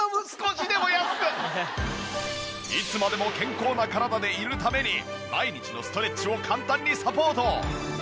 いつまでも健康な体でいるために毎日のストレッチを簡単にサポート。